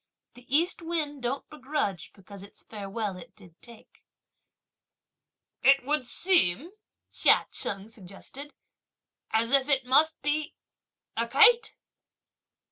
The East wind don't begrudge because its farewell it did take! "It would seem," Chia Cheng suggested, "as if that must be a kite!"